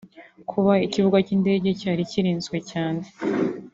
Kuba ikibuga cy’indege cyari kirinzwe cyane